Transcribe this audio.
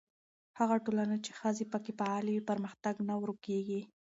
هغه ټولنه چې ښځې پکې فعاله وي، پرمختګ نه ورو کېږي.